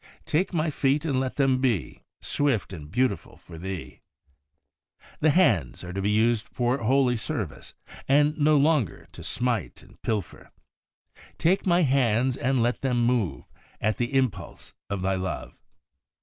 Take my feet, and let them be Swift and beautiful for Thee. The hands are to be used for holy service, and no longer to smite and pilfer. Take my hands, and let them move At the impulse of Thy love.